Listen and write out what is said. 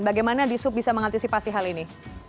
bagaimana di sub bisa mengantisipasi hal ini